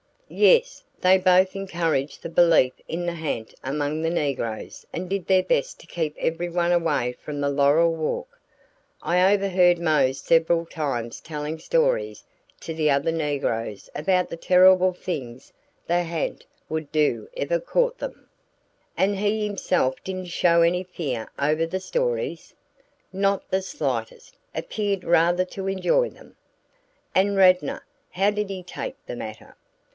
"Yes they both encouraged the belief in the ha'nt among the negroes and did their best to keep everyone away from the laurel walk. I overheard Mose several times telling stories to the other negroes about the terrible things the ha'nt would do if it caught them." "And he himself didn't show any fear over the stories?" "Not the slightest appeared rather to enjoy them." "And Radnor how did he take the matter?"